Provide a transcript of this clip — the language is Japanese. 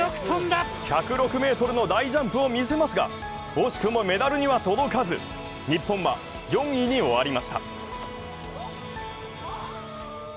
１０６ｍの大ジャンプを見せますが、惜しくもメダルには届かず日本は４位に終わりました。